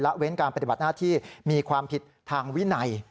เว้นการปฏิบัติหน้าที่มีความผิดทางวินัย